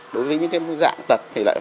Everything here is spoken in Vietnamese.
đối với những dạng tật thì lại